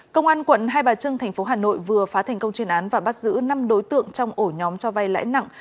công an quận hai bà trưng tp hà nội vừa phá thành công chuyên án và bắt giữ năm đối tượng trong ổ nhóm cho vay lãi nặng